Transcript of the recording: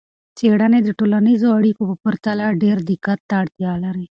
څیړنې د ټولنیزو اړیکو په پرتله ډیر دقت ته اړتیا لري.